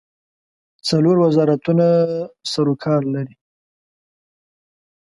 څلور وزارتونه سروکار لري.